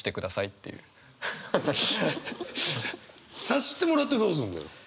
察してもらってどうすんのよ？